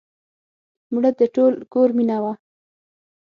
مړه د ټول کور مینه وه